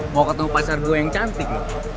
mau ketemu pasar gue yang cantik